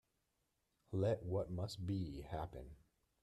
Let what must be, happen.